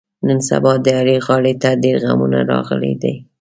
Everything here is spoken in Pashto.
نن سبا د علي غاړې ته ډېرغمونه راغلي دي.